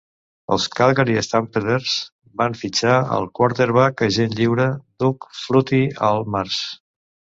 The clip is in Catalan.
Els Calgary Stampeders van fitxar el quarterback agent lliure, Doug Flutie, al març.